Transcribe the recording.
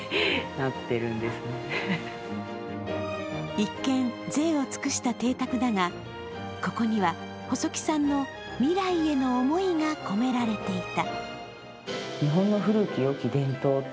一見、ぜいを尽くした邸宅だがここには細木さんの未来への思いが込められていた。